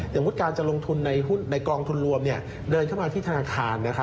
มุติการจะลงทุนในกองทุนรวมเดินเข้ามาที่ธนาคาร